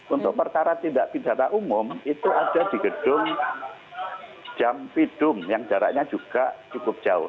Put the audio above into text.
untuk perkara tindak pidana umum itu ada di gedung jampidum yang jaraknya juga cukup jauh